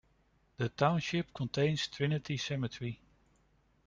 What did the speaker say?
The township contains Trinity Cemetery.